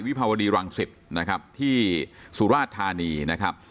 ภาวดีรังสิตนะครับที่สุราชธานีนะครับ